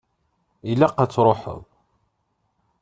Ilaq ad tṛuḥeḍ.